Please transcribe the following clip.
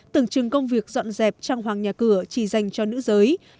từng trừng công việc dọn dẹp trang hoàng nhà cửa chỉ dành cho nữ giới